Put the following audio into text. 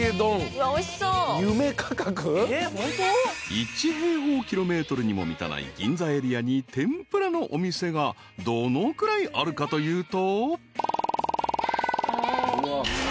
［１平方ｋｍにも満たない銀座エリアに天ぷらのお店がどのくらいあるかというと］